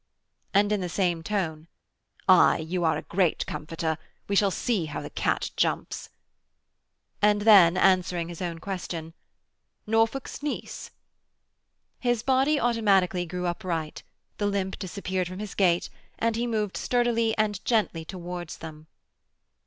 and, in the same tone: 'Aye, you are a great comforter. We shall see how the cat jumps,' and then, answering his own question, 'Norfolk's niece?' His body automatically grew upright, the limp disappeared from his gait and he moved sturdily and gently towards them.